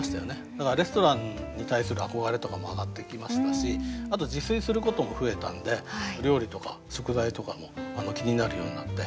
だからレストランに対する憧れとかも上がってきましたしあと自炊することも増えたんで料理とか食材とかも気になるようになって。